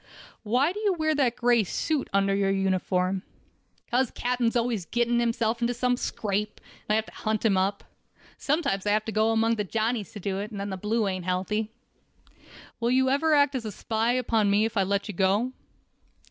"Why do you wear that gray suit under your uniform?" "Because captain's always getting himself into some scrape, and I have to hunt him up. Sometimes I have to go among the Johnnies to do it, and then the blue ain't healthy." "Will you ever act as spy upon me if I let you go?"